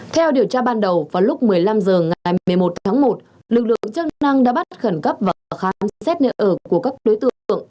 theo điều tra ban đầu vào lúc một mươi năm h ngày một mươi một tháng một lực lượng chức năng đã bắt khẩn cấp và khám xét nơi ở của các đối tượng